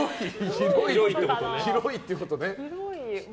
広いってことね。